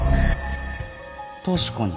確かに。